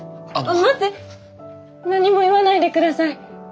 待って何も言わないで下さい。